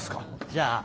じゃあ。